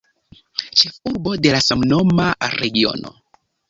Ĉefurbo de la samnoma regiono.